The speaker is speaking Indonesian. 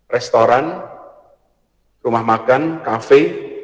restoran rumah makan kafe